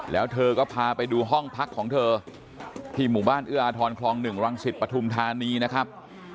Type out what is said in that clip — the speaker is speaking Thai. แล้วเธอก็พาไปดูห้องพักของเธอที่หมู่บ้านเอื้ออาทรคลอง๑รังสิตปฐุมธานีนะครับ